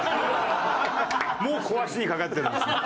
もう壊しにかかってるんですね。